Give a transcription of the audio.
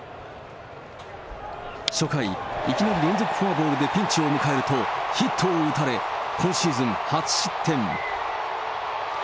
初回、いきなり連続フォアボールでピンチを迎えると、ヒットを打たれ、今シーズン初失点。